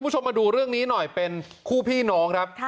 คุณผู้ชมมาดูเรื่องนี้หน่อยเป็นคู่พี่น้องครับ